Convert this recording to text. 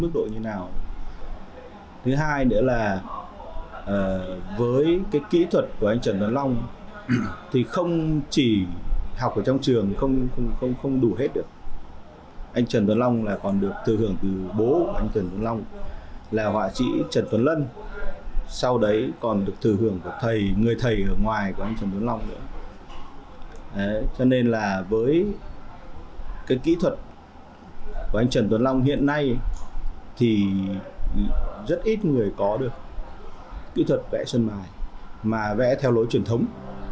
cho nên là với cái kỹ thuật của anh trần tuấn long hiện nay thì rất ít người có được kỹ thuật vẽ sơn mài mà vẽ theo lối truyền thống